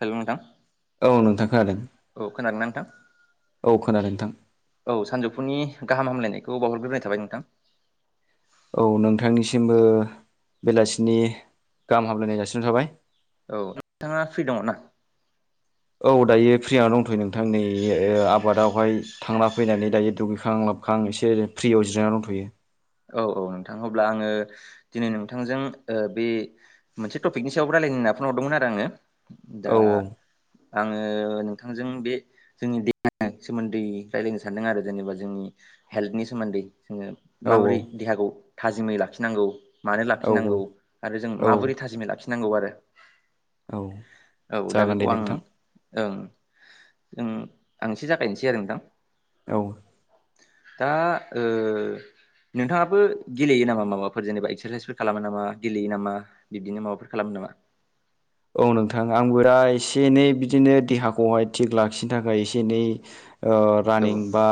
हेल' नोंथां औ नोंथां खोनादों औ खोनादोंना नोंथां? औ खोनादों नोंथां औ सानजौफुनि गाहाम हामलायनायखौ खौ बावहरग्रोनाय थाबाय नोंथां। औ नोंथांनिसिमबो बेलासिनि गाहाम हामलायनाय जासि हरनाय थाबाय। औ नोंथाङा फ्रि दङ'ना? औ दायो फ्रि जाना दंथ'यो नोंथां नै आबादावहाय थांना फैनानै दायो दुगैखां ला खां एसे फ्रियाव जिरायनानै दंथ'यो। औ औ नोंथां अब्ला आङो दिनै नोंथांजों बे मोनसे टपिकनि सायाव रा लायनो होननाखौ फन हरदोंमोन आरो आङो दा औ आङो नोंथांजों बे जोंनि दे सोमोन्दै रायजलायनो सानदों आरो जेनेबा जोंनि हेल्थनि सोमोन्दै जोङो औ माबोरै देहाखौ थाजिमै लाखिनांगौ मानो औ लाखिनांगौ आरो जों औ माबोरै थाजिमै लाखिग नांगौ आरो। औ औ दा जागोन दे बेखौ आं नोंथां ओं ओ आं एसे जागायनोसै आरो नोंथां। औ दा ओ नोंथाङाबो गेलेयो नामा माबाफोर जेनेबा एक्सारसाइसफोर खालामो नामा गेलेयो नामा बिब्दिनो माबाफोर खालामो नामा? [inaudible] औ नोंथां आंबो दा एसे एनै बिदिनो देहाखौहाय थिग लाखिनो थाखाय एसे एनै ओ औ रानिं बा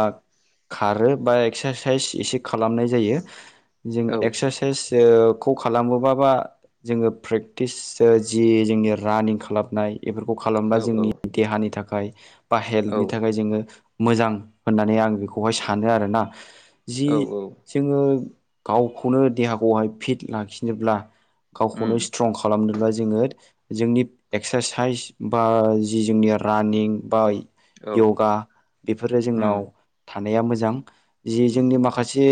खारो बा एक्सारसाइस एसे खालामनाय जायो। जों औ एक्सारसाइस ओ खौ खालामोबाबा जोङो प्रेक्टिस जि जोंनि रानिं खालामनाय बेफोरखौ खालामबा औ जोंनि देहानि थाखाय बा औ हेल्थनि थाखाय जोङो मोजां होननानै आं बेखौहाय सानो आरोना। जि औ औ जोङो गावखौनो देहाखौहाय फिट लाखिनोब्ला गावखौनो उम स्ट्रं खालामनोब्ला जोङो। जोंनि एक्सारसाइस बा जि जोंनि रानिं बा औ य'गा बेफोरो उम जोंनाव थानाया मोजां जि जोंनि माखासे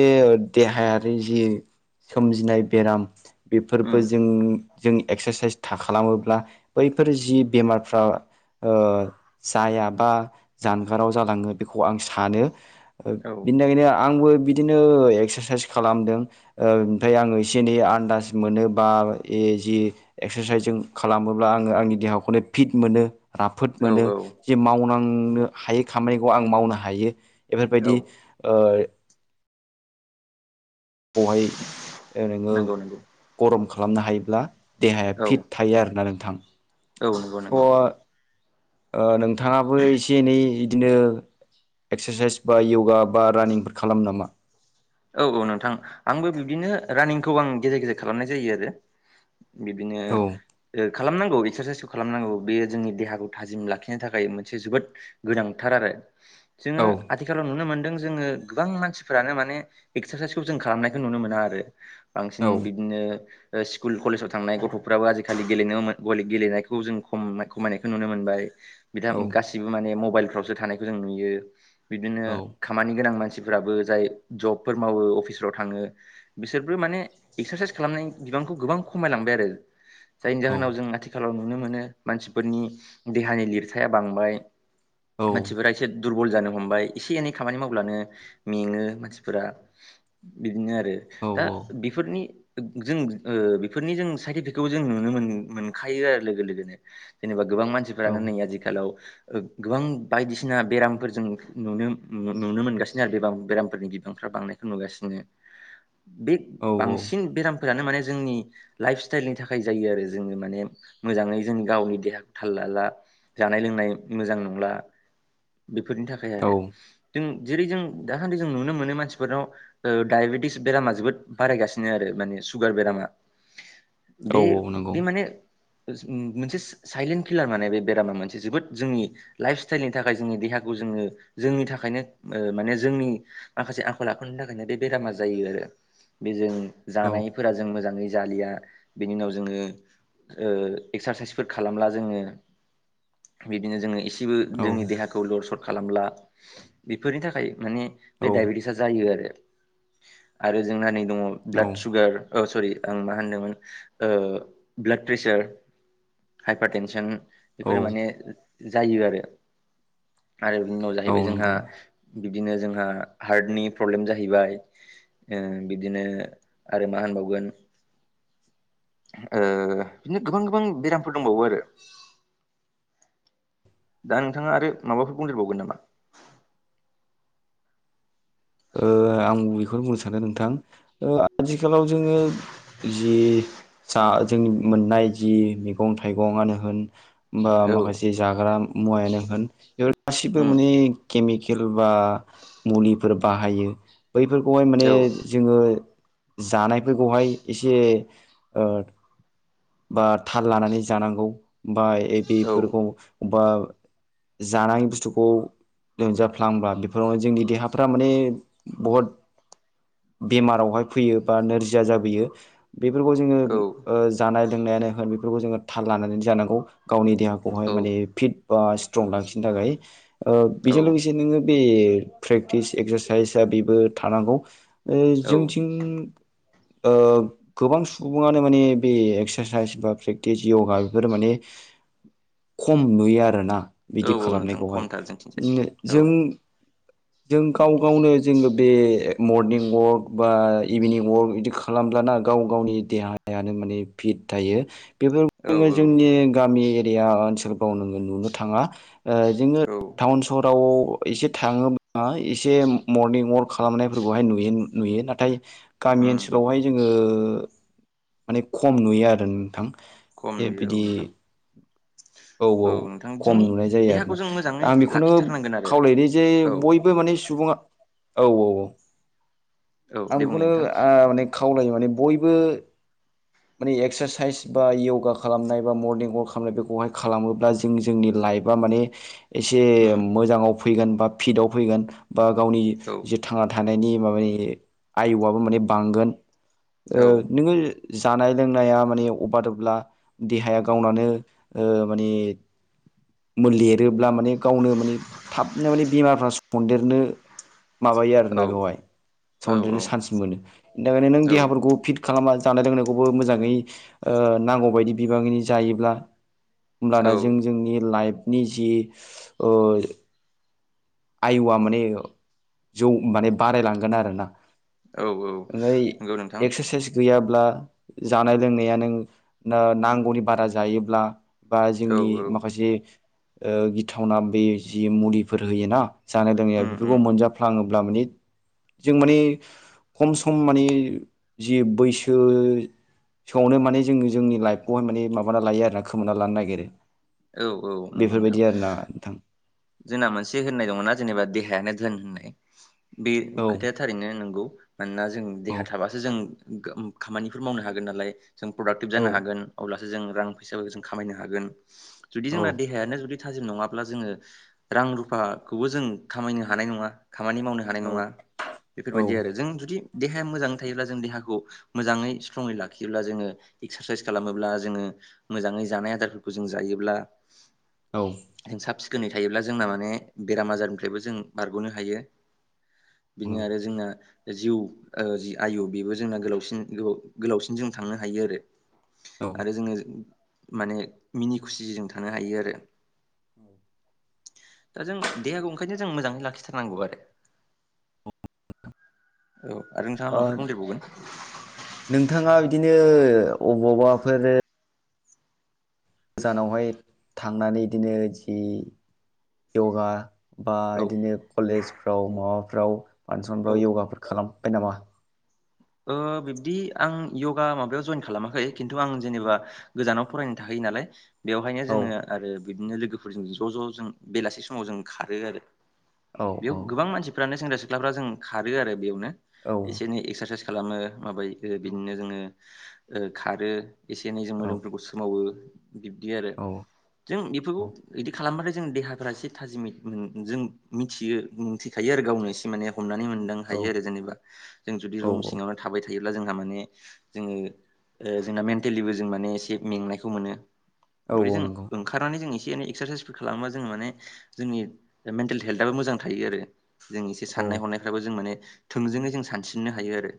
देहायारि जि सोमजिनाय बेराम बेफोरबो उम जों जों एक्सारसाइस था खालामोब्ला बैफोर जि बेमारफ्रा ओ जायाबा जानगाराव जालाङो बेखौ आं सानो औ बिनि आंबो बिदिनो एक्सारसाइस खालामदों ओ ओमफ्राय आङो एसे एनै आन्दास मोनो बा ए जि एक्सारसाइस जों खालामोब्ला आङो आंनि देहाखौनो फिट मोनो। राफोद औ मोनो औ जे मावनांनो हायै खामानिखौ आं मावनो हायो। बेफोर औ बायदि ओ बेहाय नोङो नंगौ नंगौ गरम खालामनो हायोब्ला देहाया औ फिट थायो आरोना नोंथां। औ नंगौ स' नंगौ। ओ नोंथाङाबो एसे एनै बिदिनो एक्सारसाइस बा य'गा बा रानिंफोर खालामो नामा? औ औ नोंथां आंबो बिबदिनो रानिंखौ आं गेजेर गेजेर खालामनाय जायो आरो। बिदिनो औ खालामनांगौ एक्सारसाइसखौ खालामनांगौ बेयो जोंनि देहाखौ थाजिम लाखिनो थाखाय मोनसे जोबोद गोनांथार आरो जोंङो औ आथिखालाव नुनो मोनदों जोंङो गोबां मानसिफोरानो माने एक्सारसाइसखौ जों खालामनायखौ नुनो मोना आरो बांसिन औ बिदिनो स्कुल कलेजाव थांनाय गथ'फ्राबो आजिखालि गेलेनोमोन गलि गेलेनायखौ जों ख खमायनायखौ नुनो मोनबाय बिथां औ गासिबो माने मबाइलफ्रावसो थानायखौ जों नुयो बिदिनो औ खामानि गोनां मानसि [unintelligible] जाय जाबायफोर मावो अफिसफ्राव थांङो बिसोरबो माने एक्सारसाइस खालामनाय बिबांखौ गोबां खमायलांबाय आरो आरो जायनि औ जाहोनाव जों आथिखालाव नुनो मोनो मानसिफोरनि देहानि लिरथाया बांबाय औ मानसिफोरा एसे दुरबल जानो हमबाय एसे एनै खामानि मावब्लानो मेंङो मानसि फोर बिदिनो आरो औ दा बेफोरनि जों बेफोरनि जों साइट इफिकटखौ जों नुनो मोन मोनखायो आरो लोगो लोगोनो जेनेबा गोबां मानसिफोरानो नै आथिखालाव गोबां बायदिसिना बेरामफोरजों नुनो नुनो मोनगासिनो आरो बे बेरामफोरनि बिबां बांनायखौ नुगासिनो बे औ बांसिन बेराम फोरानो माने जोंनि लाइफ स्टाइलनि थाखाय जायो आरो जोंङो माने मोजांङै जोंनि गावनि देहाखौ थालला ला जााला जानाय लोंनाय मोजां नंला बेफोरनि थाखाय औ आरो जों जेरै जों दाखान्ददि जों नुनो मोनो मानसि बेटिस बेरामा जोबोद बारायगासिनो आरो माने सुगार बेरामा औ बे नंगौ बे माने मोनसे साइलेन्ट किलार माने बेरामा मोनसे जोबोद जोंनि लाइफ स्टाइलनि थाखाय जोंनि देहाखौ जों जोंनि थाखायनो माने जोंनि माखासे लाखनो थाखायनो बे बेरामा जायो आरो बेजों औ जानायफोरा जों मोजाङै जा बिनि उनाव जो एसारसाइस खालामला जो बिदिनो जोंङो इसे सेबो जोंनि देहाखौ लर सट खालामला बेफोरनि थाखाय माने बे औ डायबेटिस आरो जोंहा नै दङ ब्लाड औ सुगार औ सरि आं मा होनदोंमोन ओ ब्लाड प्रेसार हाइपार टेनसन बेफोरो माने जायो आरो आरो बिनि उनाव औ जाहैबाय जोंहा नंगौ बिबदिनो जोंहा हार्टनि प्रब्लेम जाहैबाय ओ बिदिनो आरो मा होनबावगोन ओ बिदिनो गोबां गोबां बेरामफोर दंबावो आरो दा नोंथाङा आरो माबाफोर बुंदेरबावगोन नामा? ओ आं बेखौनो बुंनो सानो नोंथां आथिखालाव जोंङो जि जा जोंनि मोननाय जि मैगं थाइगंआनो होन बा औ माखासे जाग्रा मुवायानो होन बेफोर गासिबो उम माने केमिक केल बा मुलिफोर बाहायो बैफोरखौहाय माने औ जोंङो जानायफोरखौहाय एसे ओ बा थाल लानानै जानांगौ बा औ बेफोरखौ बबबा जानाय बुस्थुखौ लोमजाफ्लांबा बेफोराव जोंनि देहाफ्रा माने बहुद बेमारावहाय फैयो बा नोरजिया जाबोयो। बेफोरखौ जोंङो ओ जानाय लोंनायानो होन बेफोरखौ जोंङो थाल लानानै जानांगौ गावनि देहाखौहाय माने औ फिट बा स्ट्रं लाखिनो थाखाय बेजों ओ लोगोसे औ नोंङो बे प्रेक्टिस एक्सारसाइसआ बेबो थानांगौ ओ औ जोंथिं ओ गोबां सुबुंङानो माने बे एक्सारसाइस बा प्रेक्टिस य'गा बेफोर माने खम नुयो आरोना औ बिदि औ नोंथां खालामनायखौहाय खमथार जोंथिंजाय औ जों जों गाव गावनो जोङो बे मरनिं अवाक बा इभिनिं अवाक बिदि खालामब्लाना गाव गावनि देहाया माने फिट थायो बे औ जोङो औ जोंनि गामि दैया ओनसोलफ्राव नोङो नुनो थाङा ओ जोङो औ टाउन सहराव एसे थाङोब्ला एसे मर्निं अवाक खालामनायफोरखौहाय नुयो नुयो नाथाय गामि उम ओनसोलावहाय जोङो माने खम नुयो आरो नोंथां। खम बे नुयो बिदि औ नोंथां औ औ नोंथां खम जोंनि नुनाय जायो देहाखौ आरोना जों मोजाङै आं बेखौनो लाखिथारनांगोन आरो खावलायोदे जे औ बयबो माने सुबुङा औ औ औ औ आं दे बेखौनो बुंलाय नोंथां ओ माने खावलायो माने बयबो माने एक्सारसाइस बा यगा खालामनाय बा मर्निं अवाक खालामनाय बेखौहाय खालामोब्ला जों जोंनि लाइफआ माने एसे उम मोजाङाव फैगोन बा फिटआव फैगोन बा गावनि औ जे थांना था थानायनि माबानि आयुआबो माने बांगोन ओ औ नोङो जानाय लोंनाया माने अबादब्ला देहाया गावनानो ओ माने लिरोब्ला माने गावनो माने थाबनो माने बेमारफ्रा सनन्देरनो माबायो औ आरोना बेवहाय औ सनदेरनो चान्स मोनो बेनि थाखायनो नों औ देहाफोरखौ फिट खालामा जानाय लोंनायखौबो मोजाङै ओ नांगौबायदि बिबांनि जायोब्ला औ होमब्लाना जों जोंनि लाइफनि जि ओ आयुआ माने जौ माने बारायलांगोन आरोना औ औ ओमफ्राय नंगौ नोंथां एक्सारसाइस गैया ब्ला जानाय लोंनाया नों नांगौनि बारा जायोब्ला बा औ जोंनि औ माखासे ओ गिथावना बे जि मुलिफोर होयोना जानाय लोंनाया उम बेफोरखौ उम मोनजाफ्लाङोब्ला माने जों माने खम सम माने जि बैसो सौनो माने जोङो जोंनि लाइफखौहाय माने माबाना लायो आरोना खोमोना लानो नागिरो। औ औ नंगौ नोंथां बेफोरबायदि आरोना नोंथां। जोंना मोनसे होननाय दङ ना जेनेबा देहायानो धोन होननाय बे औ खोथाया थारैनो नंगौ। मानोना जों औ देहा थाबासो जों खामानिफोर मावनो हागोन नालाय। जों प्रडाक्टिभ औ जानो हागोन अब्लासो जों रां फैसााबो जों खामायनो हागोन जुदि औ जोंना देहायानो जुदि। थाजिम नङाब्ला जोङो रां रुफाखौबो जों खामायनो हानाय नङा। खामानि मावनो हानाय औ नङा बेफोरबायदि आरो जों जुदि। देहाया मोजाङै थायोब्ला जों देहाखौ मोजाङै स्ट्रङै लाखियोब्ला जोङो एक्सारसाइस खालामोब्ला जोङो। मोजाङै जानाय आदारफोरखौ जों जायोब्ला। औ। जों साब सिखोनै थायोब्ला जोंना माने बेराम आजारनिफ्रायबो जों बारग'नो हायो। बिनो औ आरो जोंना। जिउ जि आयु बेबो जोंना गोलावसिन गोलावसिन जों थांनो हायो आरो। औ आरो जोङो माने मिनि खुसिजों थानो हायो आरो। औ। दा जों देहाखौ ओंखायनो जों मोजाङै लाखिथारनांगौ आरो। औ आरो नोंथाङा ओ माबाफोर बुंदेरबावगोन नोंथाङा बिदिनो। अबावबाफोर गोजानावहाय थांनानै बिदिनो जि यगा बा औ बिदिनो कलेजफ्राव माबाफ्राव औ फांसनफ्राव यगाफोर खालाम बाय नामा? बिब्दि आं यगा माबायाव जयेन खालामाखै खिन्थु आं जेनेबा गोजानाव फरायनो थायो। नालाय बेवहायनो औ जोङो आरो बिदिनो लोगोफोरजों ज' ज' जों बेलासि समाव जों खारो आरो। औ बेयाव औ गोबां मानसिफ्रानो सेंग्रा सिख्लाफ्रा जों खारो आरो बेयावनो औ एसे एनै एक्सारसाइस खालामो माबायो बिदिनो जोङो खारो। एसे एनै जों औ मोदोमफोरखौ सोमावो बिब्दि आरो औ जों बेफोरखौ बिदि खालामबाथाय जों देहाफ्रा एसे थाजिम जों मिथियो मिथिखायो आरो गावनो एसे माने। हमनानै मोनदां औ हायो आरो जेन'बा जों जुदि रूम। औ थाबाय थायोब्ला जोंहा माने जोङो। जोंना मेन्टेलिबो जों माने एसे मेंनायखौ मोनो औ जुदिे औ जों नंगौ ओंखारनानै जों एसे। एनै एक्सारसाइसफोर खालामोबा जोङो माने जोंनि मेन्टेल हेल्थआबो मोजां थायो आरो। जों एसे औ साननाय-हनायफ्राबो जों माने थोंजोङै जों सानस्रिनो हायो आरो।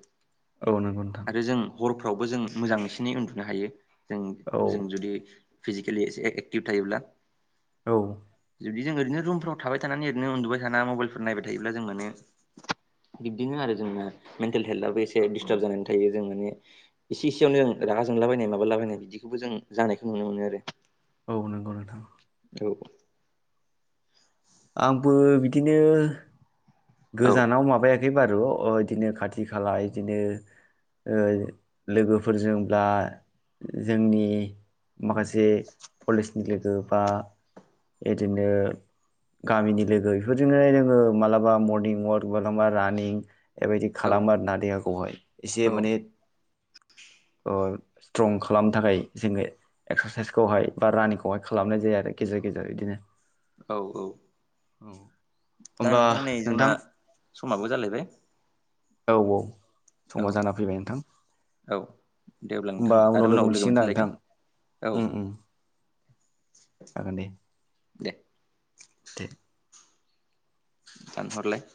औ नंगौ नोंथां। आरो जों हरफ्रावबो जों मोजाङैसिनै उन्दुनो हायो जों औ जों जुदि। फिजिकेलि एसे एक्टिभ थायोब्ला। औ। जुदि जों ओरैनो रुमफ्राव थाबाय थानानै ओरैनो उन्दुबाय थाना मबाइलफोर नायबाय थायोब्ला जों माने। बिबदिनो आरो जोंना मेन्टेल हेल्थआबो एसे। डिस्टार्ब जानानै थायो जों माने एसे इसेयावनो जों रागा जोंलाबायनाय माबा लाबायनाय बिदिखौबो जों जानायखौ। नुनो मोनो आरो। औ नंगौ नोंथां औ आंबो बिदिनो औ गोजानाव माबायाखै। बारु ओ इदिनो खाथि खाला इदिनो। ओ लोगोफोरजोंब्ला जोंनि। माखासे कलेजनि लोगो। बा इदिनो गामिनि लोगो बेफोरजोंनो जोङो मालाबा मर निं वाक लाबा रानिं बेबायदि खालामो आरो औ ना देहाखौहाय एसे औ माने। [inaudible] ओ स्ट्रं खालामनो थाखाय जोङो एक्सारसाइसखौहाय बा रानिंखौहाय खालामनाय जायो आरो गेजेराव। गेजेर गोजा बिदिनो औ औ औ दा होमबा नोंथां नै। जोंना नोंथां समाबो जालायबाय औ औ। औ समा जाना फैबाय नोंथां औ दे अब्ला नोंथां होमबा आरो उनाव लोगो मोनसिगोनदा मोनफिनलायगोन नोंथां औ ओम ओम। जागोन दे दे। दे। जान हरलाय।